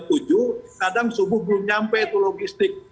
kadang subuh belum nyampe itu logistik